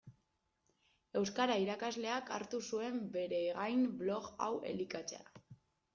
Euskara irakasleak hartu zuen bere gain blog hau elikatzea.